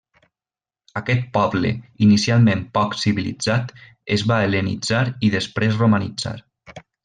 Aquest poble, inicialment poc civilitzat, es va hel·lenitzar i després romanitzar.